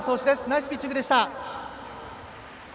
ナイスピッチングでした。